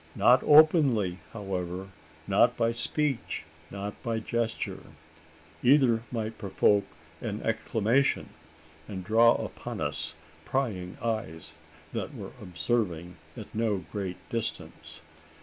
Not openly, however; not by speech, nor yet by gesture. Either might provoke an exclamation; and draw upon us prying eyes that were observing at no great distance.